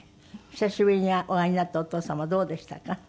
久しぶりにお会いになったお父様どうでしたか？